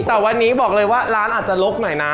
แต่วันนี้บอกเลยว่าร้านอาจจะลกหน่อยนะ